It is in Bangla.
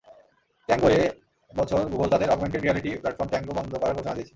ট্যাংগোএ বছর গুগল তাদের অগমেন্টেড রিয়ালিটি প্ল্যাটফর্ম ট্যাংগো বন্ধ করার ঘোষণা দিয়েছে।